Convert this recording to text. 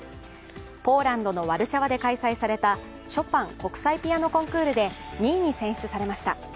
ポーランドのワルシャワで開催されたショパン国際ピアノ・コンクールで２位に選出されました。